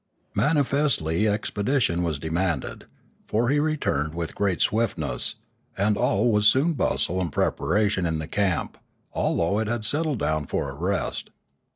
Manifestly expedition was demanded. For he re turned with great swiftness; and all was soon bustle and preparation in the camp, although it had settled down for a rest.